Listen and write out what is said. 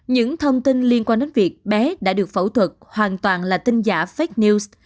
những thông tin liên quan đến việc bé đã được phẫu thuật hoàn toàn là tin giả fake news